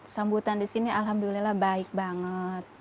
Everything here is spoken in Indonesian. sambutan di sini alhamdulillah baik banget